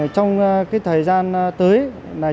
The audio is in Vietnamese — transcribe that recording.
trong thời gian tới